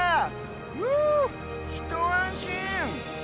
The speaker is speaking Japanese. ふぅひとあんしん！